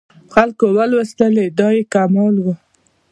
خلکو ولوستلې دا یې کمال و.